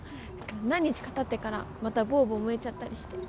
何日かたってから、またボーボー燃えちゃったりして。